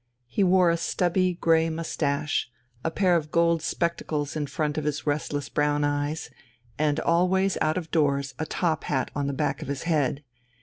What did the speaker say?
He wore a stubby grey moustache, a pair of gold spectacles in front of his restless brown eyes, and always out of doors a top hat on the back of his head.